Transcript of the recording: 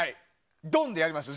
ドンでやりましょう！